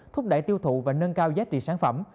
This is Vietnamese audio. thúc đẩy tiêu thụ và nâng cao giá trị sản phẩm